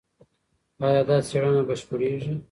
ایا دا څېړنه بشپړېږي؟